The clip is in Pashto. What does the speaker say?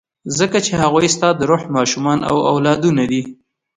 ځکه چې هغوی ستا د روح ماشومان او اولادونه دي.